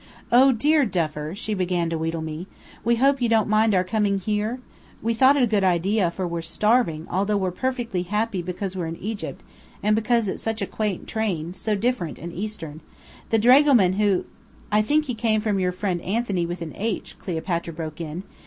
"Oh, dear Duffer," she began to wheedle me: "We hope you don't mind our coming here? We thought it a good idea, for we're starving, although we're perfectly happy because we're in Egypt, and because it's such a quaint train, so different and Eastern. The dragoman who " "I think he came from your friend Anthony with an 'H,'" Cleopatra broke in.